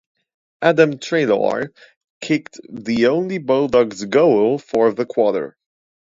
Adam Treloar kicked the only Bulldogs goal for the quarter.